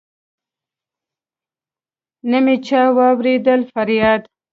نه مي چا واوريد فرياد